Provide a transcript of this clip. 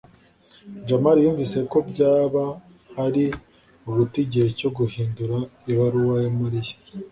jamali yumvise ko byaba ari uguta igihe cyo guhindura ibaruwa ya mariya